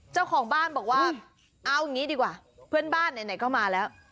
เจ้าของบ้านบอกว่าเอาอย่างนี้ดีกว่าเพื่อนบ้านไหนก็มาแล้ว